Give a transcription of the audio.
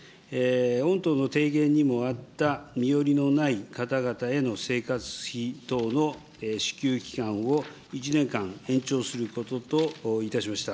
御党の提言にもあった、身寄りのない方々への生活費等の支給期間を１年間延長することといたしました。